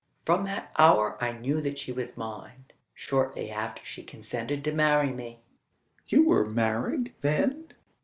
From that hour I knew that she was mine. Shortly after she consented to marry me." "You were married, then?"